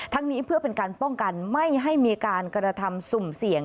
นี้เพื่อเป็นการป้องกันไม่ให้มีการกระทำสุ่มเสี่ยง